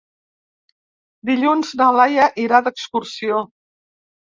Dilluns na Laia irà d'excursió.